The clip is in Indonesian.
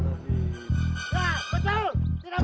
musimnya adalah cabu karang